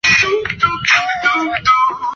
本季球衣改由彪马设计及供应。